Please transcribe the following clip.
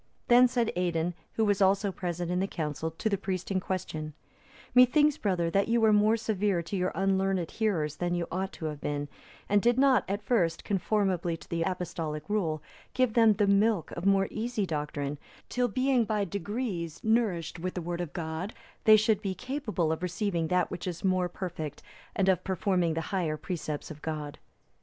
Then said Aidan, who was also present in the council, to the priest in question, "Methinks, brother, that you were more severe to your unlearned hearers than you ought to have been, and did not at first, conformably to the Apostolic rule, give them the milk of more easy doctrine, till, being by degrees nourished with the Word of God, they should be capable of receiving that which is more perfect and of performing the higher precepts of God."